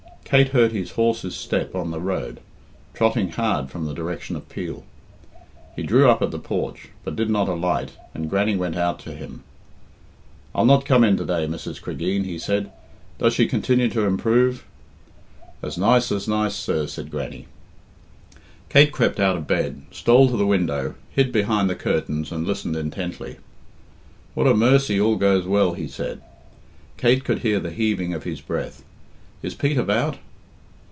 Kate heard his horse's step on the road, trotting hard from the direction of Peel. He drew up at the porch, but did not alight, and Grannie went out to him. "I'll not come in to day, Mrs. Cregeen," he said. "Does she continue to improve?" "As nice as nice, sir," said Grannie. Kate crept out of bed, stole to the window, hid behind the curtains, and listened intently. "What a mercy all goes well," he said; Kate could hear the heaving of his breath. "Is Pete about?"